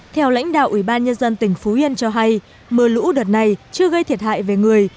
theo lãnh đạo ủy ban nhân dân tỉnh phú yên cho hay mưa lũ đợt này chưa gây thiệt hại về người